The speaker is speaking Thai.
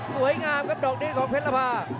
สวยงามครับดอกดีรส์ของเผ็ดละพา